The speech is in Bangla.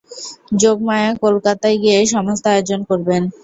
যোগমায়া কলকাতায় গিয়ে সমস্ত আয়োজন করবেন।